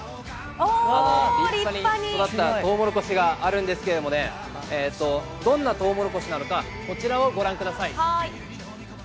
立派に育ったトウモロコシがあるんですけどね、どんなトウモロコシなのか、こちらをご覧ください。